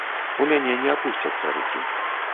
У мяне не апусцяцца рукі.